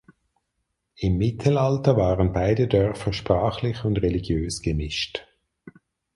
Im Mittelalter waren beide Dörfer sprachlich und religiös gemischt.